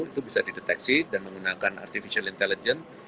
itu bisa dideteksi dan menggunakan artificial intelligence